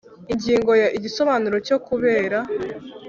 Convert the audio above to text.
Ingingo ya Igisobanuro cyo kubera